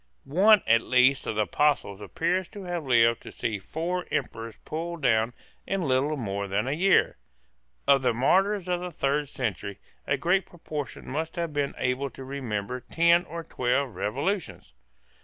One at least of the Apostles appears to have lived to see four Emperors pulled down in little more than a year. Of the martyrs of the third century a great proportion must have been able to remember ten or twelve revolutions.